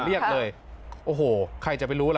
เรียกเลยโอ้โหใครจะไปรู้ล่ะ